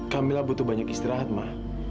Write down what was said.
kamila butuh banyak istirahat ma